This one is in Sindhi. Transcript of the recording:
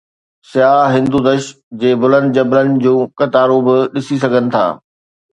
سياح هندودش جي بلند جبلن جون قطارون به ڏسي سگهن ٿا.